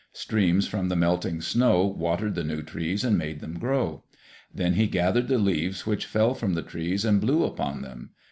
Streams from the melting snow watered the new trees and made them grow. Then he gathered the leaves which fell from the trees and blew upon them.